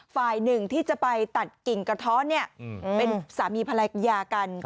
ฝ่ายหนึ่งที่จะไปตัดกิ่งกระท้อนเป็นสามีภรรยากัน